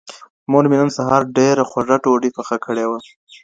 مور مي نن سهار ډېره خوږه ډوډۍ پخه کړې وه.